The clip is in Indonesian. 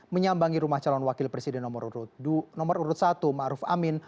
menyambangi rumah calon wakil presiden nomor urut satu ma'ruf amin